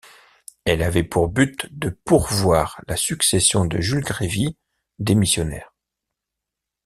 Elle avait pour but de pourvoir la succession de Jules Grévy, démissionnaire.